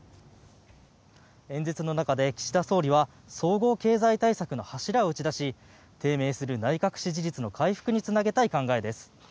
演説の中で岸田総理は総合経済対策の柱を打ち出し低迷する内閣支持率の回復につなげたい考えです。